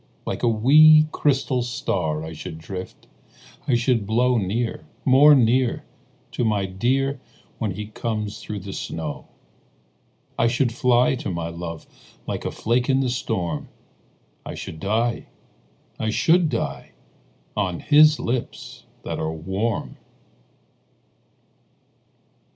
Like a wee, crystal star I should drift, I should blow Near, more near, To my dear Where he comes through the snow. I should fly to my love Like a flake in the storm, I should die, I should die, On his lips that are warm.